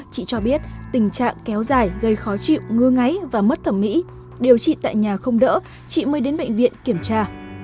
chị cho biết tình trạng kéo dài gây khó chịu ngứa ngáy và mất thẩm mỹ điều trị tại nhà không đỡ chị mới đến bệnh viện kiểm tra